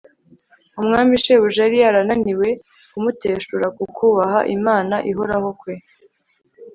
Umwami shebuja yari yarananiwe kumuteshura ku kubaha Imana ihoraho kwe